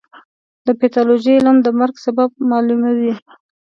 د پیتالوژي علم د مرګ سبب معلوموي.